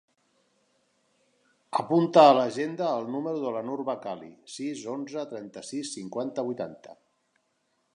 Apunta a l'agenda el número de la Nur Bakkali: sis, onze, trenta-sis, cinquanta, vuitanta.